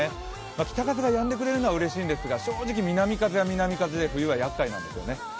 北風がやんでくれるのは、うれしいんですが、正直、南風は南風で冬はやっかいなんですよね。